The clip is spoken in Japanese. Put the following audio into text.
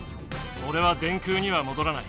おれは電空にはもどらない。